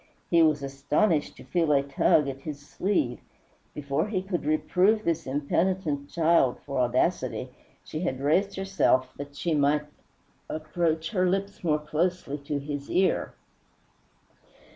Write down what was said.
He was astonished to feel a tug at his sleeve. Before he could reprove this impenitent child for audacity she had raised herself that she might approach her lips more closely to his ear.